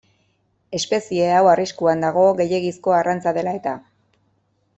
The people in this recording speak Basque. Espezie hau arriskuan dago, gehiegizko arrantza dela-eta.